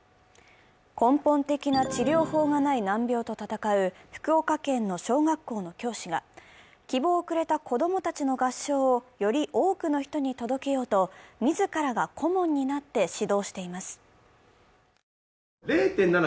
根本的な治療法がない難病と闘う福岡県の小学校の教師が希望をくれた子供たちの合唱をより多くの人に届けようと自らが顧問になって指導しています。